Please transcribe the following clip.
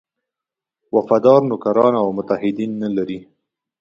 وفادار نوکران او متحدین نه لري.